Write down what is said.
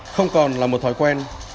không còn là một thói quen